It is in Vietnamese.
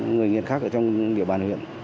người nghiện khác ở trong địa bàn huyện